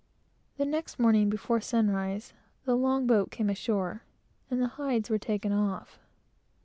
The next morning, before sunrise, the long boat came ashore, and the hides were taken off.